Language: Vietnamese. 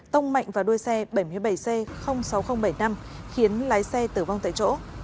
tông mạnh vào đuôi xe bảy mươi bảy c sáu nghìn bảy mươi năm khiến lái xe tử vong tại chỗ